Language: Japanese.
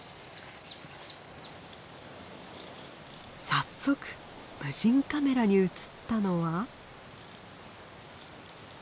早速無人カメラに映ったのは。